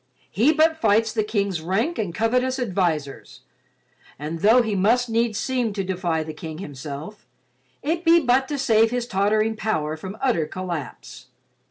He but fights the King's rank and covetous advisers, and though he must needs seem to defy the King himself, it be but to save his tottering power from utter collapse.